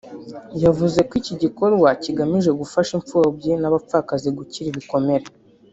yavuze ko iki gikorwa kigamije gufasha imfubyi n’abapfakazi gukira ibikomere